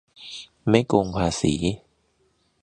ไม่โกงภาษี